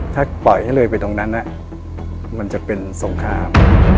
ถ้าปล่อยให้เลยไปตรงนั้นมันจะเป็นสงคราม